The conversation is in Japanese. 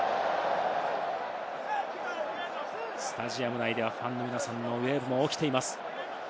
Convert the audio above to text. スタジアム内ではファンの皆さんのウェーブが起きています。